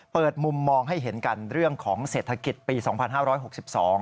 เปิดมุมมองให้เห็นกันเรื่องของเศรษฐกิจปี๒๕๖๒